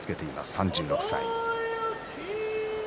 ３６歳。